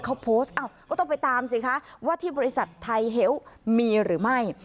เขาโพสต์อ้าวก็ต้องไปตามสิคะว่าที่บริษัทไทยเฮลต์มีหรือไม่